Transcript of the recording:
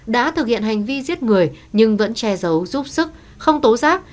đã thực hiện hành vi giết người nhưng vẫn che giấu giúp sức không tố giác